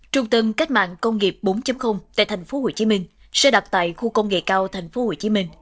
trung tâm cách mạng công nghiệp bốn tại tp hcm sẽ đặt tại khu công nghệ cao tp hcm